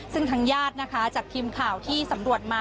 ซึ่งทางญาตินะคะจากทีมข่าวที่สำรวจมา